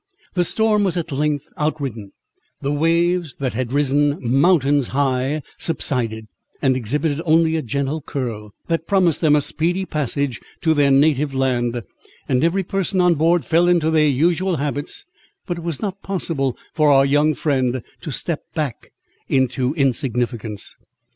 The storm was at length outridden; the waves, that had risen mountains high, subsided, and exhibited only a gentle curl, that promised them a speedy passage to their native land, and every person on board fell into their usual habits; but it was not possible for our young friend to step back into insignificance.